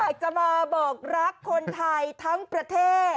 อยากจะมาบอกรักคนไทยทั้งประเทศ